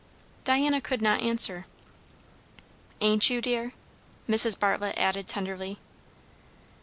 Diana could not answer. "Ain't you, dear?" Mrs. Bartlett added tenderly.